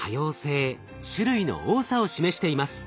種類の多さを示しています。